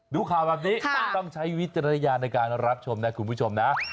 ดูข่าวแบบนี้ต้องใช้วิจารณญาณในการรับชมนะคุณผู้ชมนะ